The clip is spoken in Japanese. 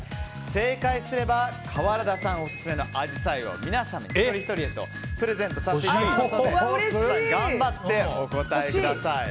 正解すれば川原田さんオススメのアジサイを皆さん一人ひとりへとプレゼントさせていただきますので頑張ってお答えください。